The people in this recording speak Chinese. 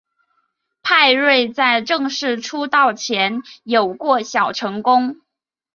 派瑞在正式出道前有过小成功。